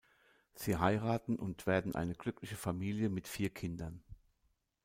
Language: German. Sie heiraten und werden eine glückliche Familie mit vier Kindern.